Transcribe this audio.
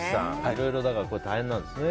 いろいろ大変なんですね。